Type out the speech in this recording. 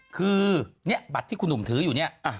คือเนี่ยบัตรที่คุณหนุ่มถืออยู่เนี่ย